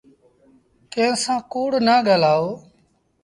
ڪݩهݩ سآݩ ڪوڙ نا ڳآلآئو۔